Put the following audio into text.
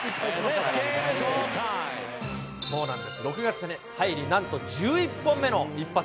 そうなんです、６月に入り、なんと１１本目の一発。